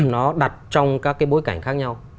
nó đặt trong các cái bối cảnh khác nhau